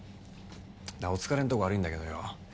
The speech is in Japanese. なあお疲れのとこ悪いんだけどよ